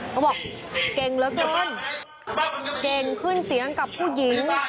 เขาบอกเก่งเหลือเกินเก่งขึ้นเสียงกับผู้หญิง